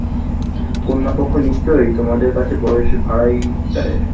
কন্যাপক্ষ নিশ্চয়ই তোমাদের কাছে বয়স ভাঁড়াইয়াছে।